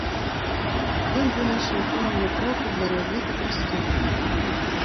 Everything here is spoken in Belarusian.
Ён вынайшаў формулу кроку для разліку прыступак.